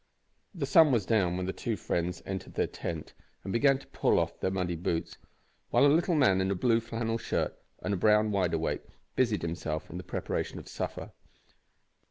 The sun was down when the two friends entered their tent and began to pull off their muddy boots, while a little man in a blue flannel shirt and a brown wide awake busied himself in the preparation of supper.